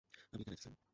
আমি এখানে আছি, স্যার।